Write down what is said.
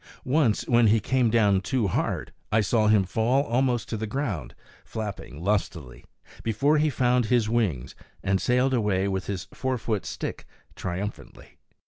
Once, when he came down too hard, I saw him fall almost to the ground, flapping lustily, before he found his wings and sailed away with his four foot stick triumphantly.